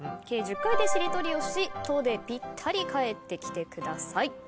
計１０回でしりとりをし「と」でぴったりかえってきてください。